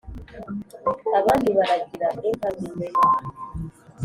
abandi baragira inka mbi